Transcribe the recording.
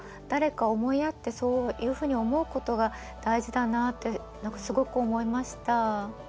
誰か思いやってそういうふうに思うことが大事だなって何かすごく思いました。